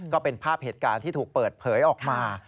ก็เป็นภาพเหตุการณ์ที่ถูกเปิดเผยออกมา